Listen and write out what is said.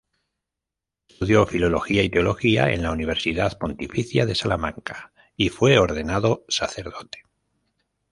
Estudió Filología y Teología en la Universidad Pontificia de Salamanca y fue ordenado sacerdote.